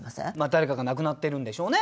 誰かが亡くなってるんでしょうね。